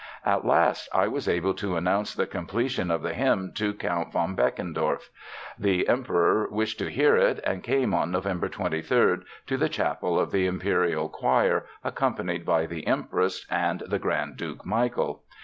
"At last I was able to announce the completion of the hymn to Count von Benkendorf. The Emperor wished to hear it, and came on November 23 to the chapel of the Imperial Choir, accompanied by the Empress and the Grand Duke Michael.